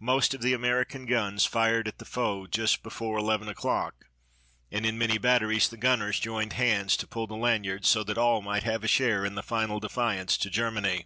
Most of the American guns fired at the foe just before eleven o'clock, and in many batteries the gunners joined hands to pull the lanyards so that all might have a share in the final defiance to Germany.